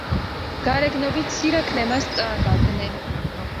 გარეგნობით სირაქლემას წააგავდნენ.